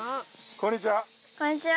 こんにちは。